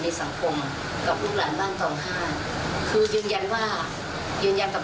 ว่าเสียงอีสานนกน้อยโอรายพรยังดำเนินวงดนตรีหอลำเสียงอีสาน